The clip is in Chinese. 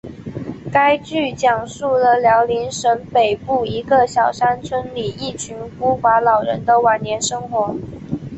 该剧讲述辽宁省北部一个小山村里一群孤寡老人的晚年生活。